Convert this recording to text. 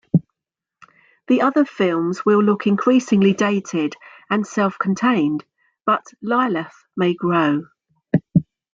The other films will look increasingly dated and self-contained, but "Lilith" may grow.